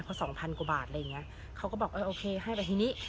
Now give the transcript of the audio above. พอสองพันกว่าบาทอะไรอย่างเงี้ยเขาก็บอกเออโอเคให้แต่ทีนี้